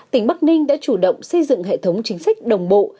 tỉnh bắc ninh đã chủ động xây dựng hệ thống chính sách đồng bộ